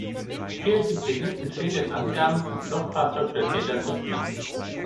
Thiel gibt sich nicht mit fehlenden Angaben zum Fluchtfahrzeug der Täter zufrieden.